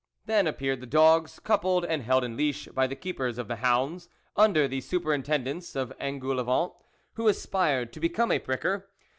Then appeared the dogs, coupled and held in leash by the keepers of the hounds, under the superin tendence of Engoulevent, who aspired to become a pricker.